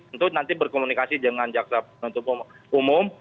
untuk nanti berkomunikasi dengan jaksa penuntut umum